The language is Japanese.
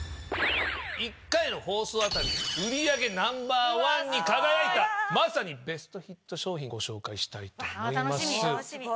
一回の放送当たり売り上げナンバーワンに輝いたまさにベストヒット商品ご紹介したいと思います。